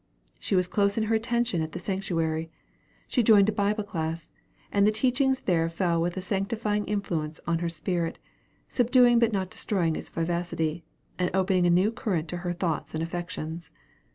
She was close in her attendance at the sanctuary. She joined a Bible class; and the teachings there fell with a sanctifying influence on her spirit, subduing but not destroying its vivacity, and opening a new current to her thoughts and affections.